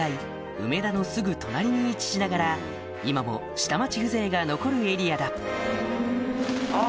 梅田のすぐ隣に位置しながら今も下町風情が残るエリアだあっ！